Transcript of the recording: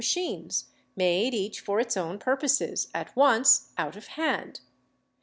machines, made each for its own purposes, at once, out of hand.